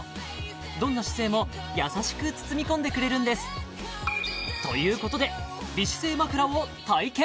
どんな姿勢も優しく包み込んでくれるんですということで美姿勢まくらを体験！